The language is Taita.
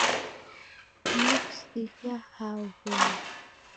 Nakusighia hao wele